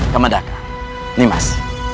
kamadaka nih mas